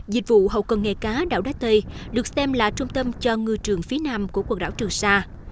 dịch vụ hậu cần nghề cá đảo đá tây được xem là trung tâm cho ngư trường phía nam của quần đảo trường sa